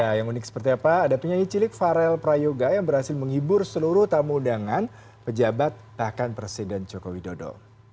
ya yang unik seperti apa ada penyanyi cilik farel prayoga yang berhasil menghibur seluruh tamu undangan pejabat bahkan presiden joko widodo